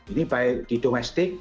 ini baik di domestik